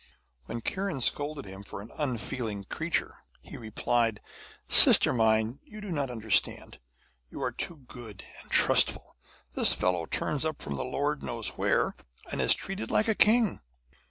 When Kiran scolded him for an unfeeling creature, he replied: 'Sister mine, you do not understand. You are too good and trustful. This fellow turns up from the Lord knows where, and is treated like a king.